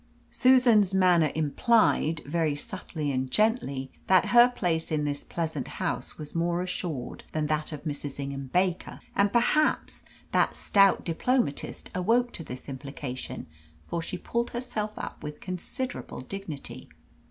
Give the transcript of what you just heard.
Susan's manner implied very subtly and gently that her place in this pleasant house was more assured than that of Mrs. Ingham Baker, and perhaps that stout diplomatist awoke to this implication, for she pulled herself up with considerable dignity.